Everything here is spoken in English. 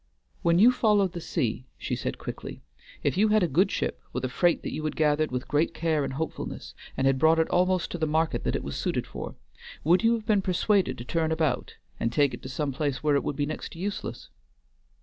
"When you followed the sea," she said quickly, "if you had a good ship with a freight that you had gathered with great care and hopefulness, and had brought it almost to the market that it was suited for, would you have been persuaded to turn about and take it to some place where it would be next to useless?"